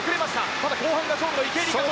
ただ、後半が勝負の池江璃花子。